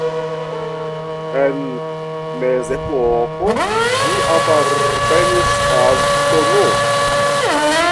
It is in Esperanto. En mezepoko ĝi apartenis al tn.